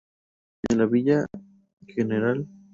En la Villa gral.